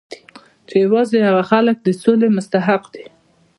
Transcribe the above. چې یوازې هغه خلک د سولې مستحق دي